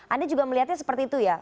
anda juga melihatnya seperti itu ya